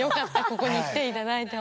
ここに来ていただいて。